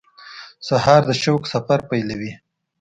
سهار د شوق سفر پیلوي.